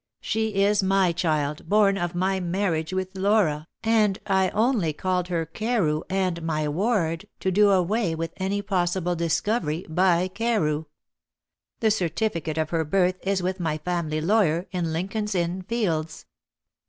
She is my child, born of my marriage with Laura, and I only called her Carew, and my ward, to do away with any possible discovery by Carew. The certificate of her birth is with my family lawyer in Lincoln's Inn Fields.'"